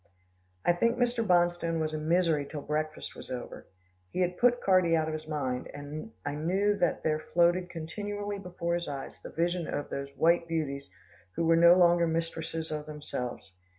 I think Mr. Bonstone was in misery till breakfast was over. He had put Carty out of his mind, and I knew that there floated continually before his eyes the vision of those white beauties who were no longer mistresses of themselves.